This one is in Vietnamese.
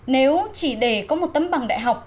nếu chỉ để có một tấm bằng đại học